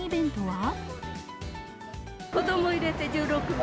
子ども入れて１６名。